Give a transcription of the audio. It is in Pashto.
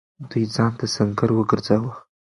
دوی ځان ته سنګر وگرځاوه.